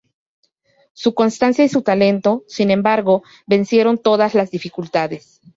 Su constancia y su talento, sin embargo, vencieron todas las dificultades.